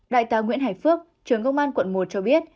đại tá nguyễn hải phước trường công an quận một cho biết